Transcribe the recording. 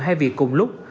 hai việc cùng lúc